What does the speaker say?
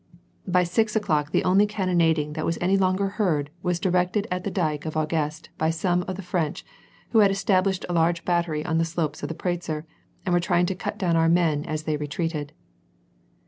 By six o'clock the only cannonading that was any longer heard, was directed at the dyke of Augest by some of the Fiench, who had established a large battery on the slopes of the Pratzer, and were trying to cut down our men as they retreated.